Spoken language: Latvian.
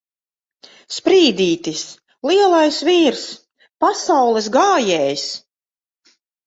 Sprīdītis! Lielais vīrs! Pasaules gājējs!